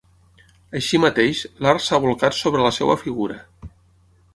Així mateix, l'art s'ha bolcat sobre la seva figura.